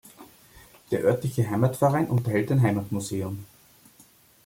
Der örtliche Heimatverein unterhält ein Heimatmuseum.